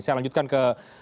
saya lanjutkan ke